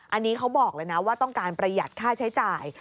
อันนี้เขาบอกเลยนะว่าต้องการประหยัดค่าใช้จ่าย